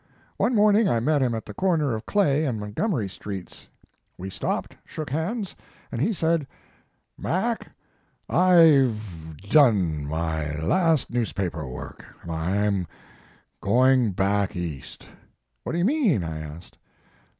One morning I met him at the corner of Clay and Montgomery Streets. We stopped, shook hands, and he said: " Mac, I ve done my last newspaper work; I m going back East. 7 " What do you mean? I asked.